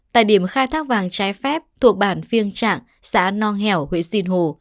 tại điểm khai thác vàng trái phép thuộc bản phiêng trạng xã nong hẻo huyện sinh hồ